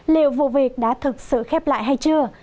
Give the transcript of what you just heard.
liệu vụ việc đã thực sự khép lại hay chưa